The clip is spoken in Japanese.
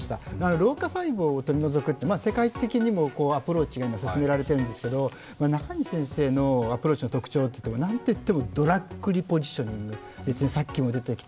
老化細胞を取り除くって世界的にもアプローチが今、進められているんですけど中西先生のアプローチの特徴はなんといってもドラッグリポジショニング、さっきも出てきた、